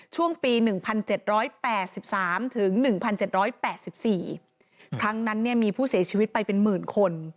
ช่วงปี๑๗๘๓ถึง๑๗๘๔ครั้งนั้นเนี่ยมีผู้เสียชีวิตไปเป็นหมื่นคน